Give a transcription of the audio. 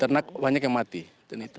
ternak banyak yang mati